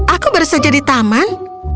aku baru saja di taman